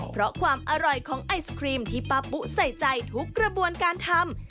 เพราะความอร่อยของไอศครีมที่ป้าปุ๊ใส่ใจทุกกระบวนการทำ